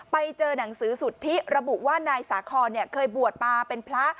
ไปเจอหนังสือสุทธิระบุว่านายสาคอนเคยบวชมาเป็นพระ